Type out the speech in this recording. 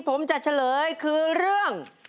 ผมจะเฉลยคือเรื่อง